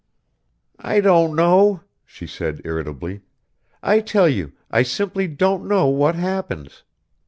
"I don't know," she said irritably. "I tell you, I simply don't know what happens.